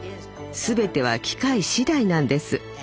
全ては機会次第なんです。